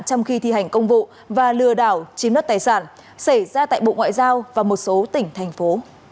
trong khi thi hành công vụ và lừa đảo chiếm đất tài sản xảy ra tại bộ ngoại giao và một số tỉnh thành phố